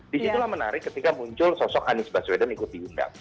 disitulah menarik ketika muncul sosok anies baswedan ikut diundang